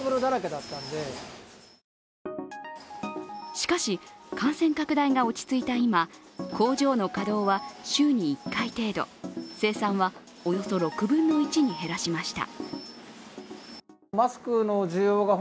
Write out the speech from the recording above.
しかし感染拡大が落ち着いた今工場の稼働は週に１回程度、生産はおよそ６分の１に減らしました。